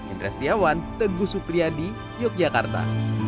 indra setiawan teguh supriyadi yogyakarta